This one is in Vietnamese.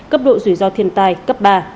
cấp độ rủi ro thiên tài cấp ba